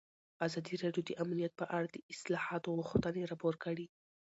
ازادي راډیو د امنیت په اړه د اصلاحاتو غوښتنې راپور کړې.